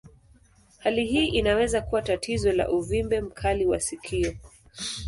Hali hii inaweza kuwa tatizo la uvimbe mkali wa sikio.